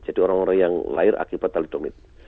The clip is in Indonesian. jadi orang orang yang lahir akibat telodomid